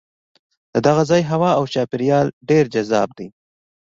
د دغه ځای هوا او چاپېریال ډېر جذاب دی.